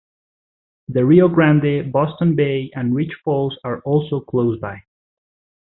The Rio Grande, Boston Bay and Reach Falls are also close by.